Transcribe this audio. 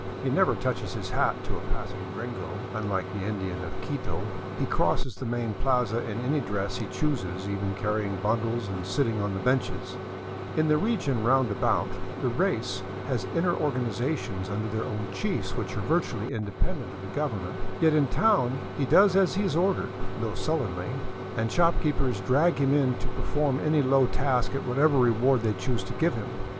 He never touches his hat to a passing gringo; unlike the Indian of Quito he crosses the main plaza in any dress he chooses, even carrying bundles and sitting on the benches; in the region roundabout, the race has inner organizations under their own chiefs which are virtually independent of the Gov ernment; yet in town he does as he is ordered, though sullenly, and shop keepers drag him in to perform any low task at whatever reward they choose to give him.